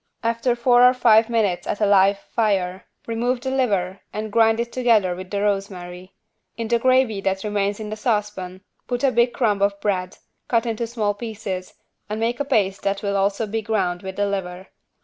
After four or five minutes at a live fire, remove the liver (dry) and grind it together with the rosemary. In the gravy that remains in the saucepan put a big crumb of bread, cut into small pieces and make a paste that will also be ground with the liver.